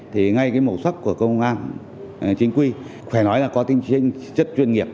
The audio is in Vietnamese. thì ngay cái màu sắc của công an chính quy phải nói là có tinh chất chuyên nghiệp